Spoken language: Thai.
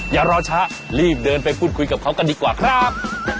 อย่ารอช้ารีบเดินไปพูดคุยกับเขากันดีกว่าครับ